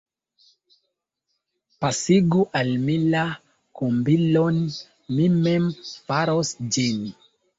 Pasigu al mi la kombilon, mi mem faros ĝin.